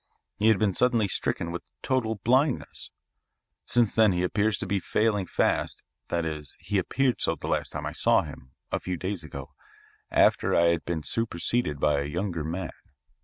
He had been suddenly stricken with total blindness. Since then he appears to be failing fast, that is, he appeared so the last time I saw him, a few days ago, after I had been superseded by a younger man.